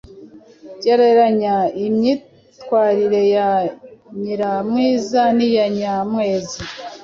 Gereranya imyitwarire ya Nyiramwiza n’iya Nyamwezi